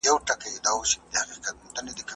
ملا بانګ پر خپل کټ باندې نېغ کښېني.